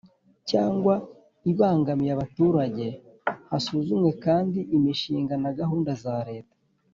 cyangwa ibangamiye abaturage Hasuzumwe kandi imishinga na gahunda za Leta